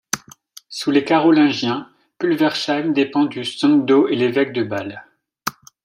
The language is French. Sous les Carolingiens, Pulversheim dépend du Sundgau et l’évêque de Bâle.